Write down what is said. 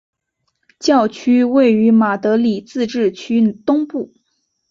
教区位于马德里自治区东部。